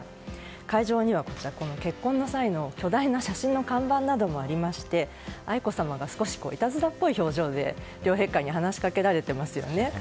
会場には、結婚の際の巨大な写真の看板などもありまして愛子さまが少しいたずらっぽい表情で両陛下に話しかけられています。